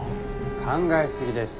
考えすぎです。